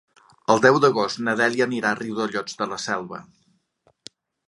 El deu d'agost na Dèlia anirà a Riudellots de la Selva.